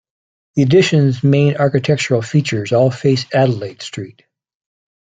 The addition's main architectural features all face Adelaide Street.